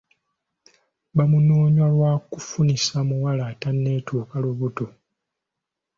Bamunoonya lwa kufunisa muwala atanetuuka lubuto.